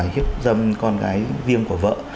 hiếp dâm con gái riêng của vợ